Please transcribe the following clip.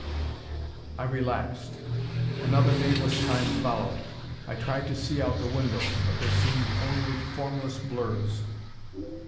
I relaxed. Another nameless time followed. I tried to see out the window, but there seemed only formless blurs.